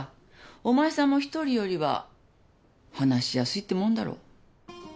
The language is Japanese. お前さんも一人よりは話しやすいってもんだろ。